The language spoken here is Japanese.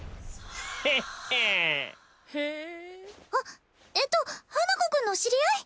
へっへへえっあっえっと花子くんの知り合い？